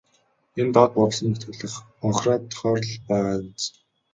Энэ доод бургасанд нутаглах хонхироодынхоор л байгаа биз.